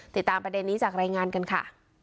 ติดตามประเด็นนี้จากรายงานกันค่ะ